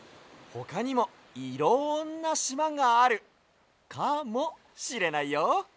ほかにもいろんなしまがあるかもしれないよ。